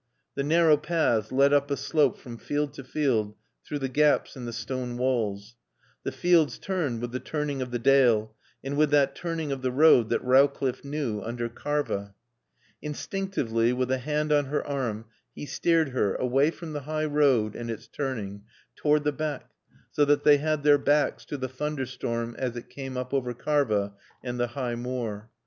The narrow paths led up a slope from field to field through the gaps in the stone walls. The fields turned with the turning of the dale and with that turning of the road that Rowcliffe knew, under Karva. Instinctively, with a hand on her arm he steered her, away from the high road and its turning, toward the beck, so that they had their backs to the thunder storm as it came up over Karva and the High Moor.